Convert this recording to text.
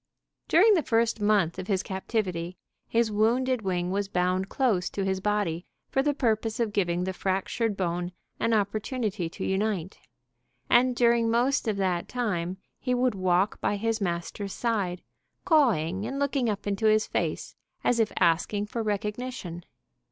During the first month of his captivity, his wounded wing was bound close to his body for the purpose of giving the fractured bone an opportunity to unite, and during most of that time he would walk by his master's side, cawing and looking up into his face as if asking for recognition.